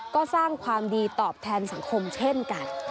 ก็สร้างความดีตอบแทนสังคมเช่นกัน